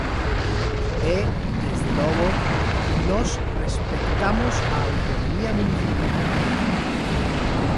E, desde logo, nós respectamos a autonomía municipal.